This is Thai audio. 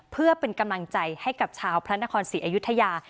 เพื่อเป็นกำลังใจให้กับชาวพระนครศรีอยุธยา